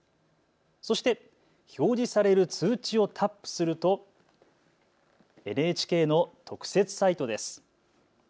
そして表示される通知をタップするとＮＨＫの特設サイトです。